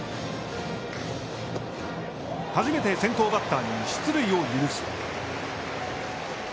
初めて先頭バッターに出塁を許す。